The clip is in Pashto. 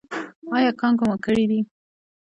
ایا کانګې مو کړي دي؟